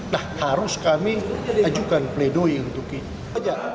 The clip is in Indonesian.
nah harus kami ajukan pleidoy untuk ini